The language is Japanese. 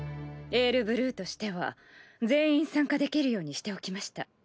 「ＡｉＲＢＬＵＥ」としては全員参加できるようにしておきました。